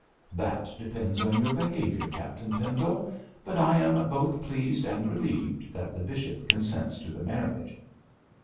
'That depends on your behaviour, Captain Pendle. But I am both pleased and relieved that the bishop consents to the marriage.'